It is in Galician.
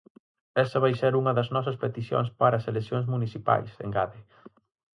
Esa vai ser unha das nosas peticións para as eleccións municipais, engade.